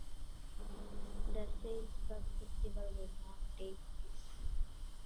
The Salzburg Festival will not take place.